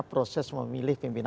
proses memilih pimpinan kpk